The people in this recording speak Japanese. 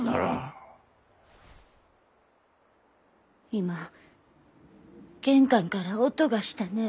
今玄関から音がしたねえ？